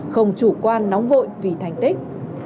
không chủ quan nóng vội vì thành tích